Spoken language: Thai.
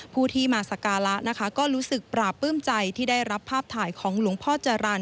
ผู้ที่มาศกราะห์รู้สึกปราบปื้มใจทำให้ได้รับภาพถ่ายของหลวงพ่อจรรย์